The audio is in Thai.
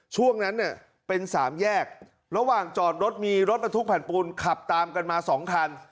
ช่วงนั้นเนี่ยเป็นสามแยกระหว่างจอดรถมีรถบรรทุกแผ่นปูนขับตามกันมา๒คัน